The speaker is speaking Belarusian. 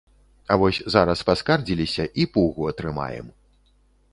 А вось зараз паскардзіліся, і пугу атрымаем.